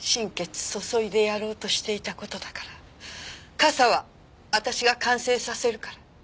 傘は私が完成させるから。